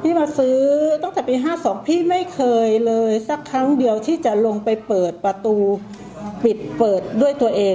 พี่มาซื้อตั้งแต่ปี๕๒พี่ไม่เคยเลยสักครั้งเดียวที่จะลงไปเปิดประตูปิดเปิดด้วยตัวเอง